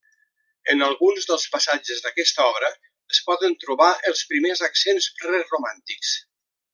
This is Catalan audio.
En algun dels passatges d'aquesta obra es poden trobar els primers accents preromàntics.